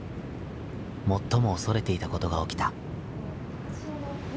最も恐れていたことが起きた。